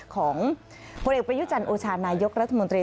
ของผลเอกประยุจันทร์โอชานายกรัฐมนตรี